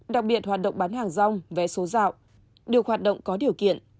đặc biệt hoạt động bán hàng rong vé số dạo được hoạt động có điều kiện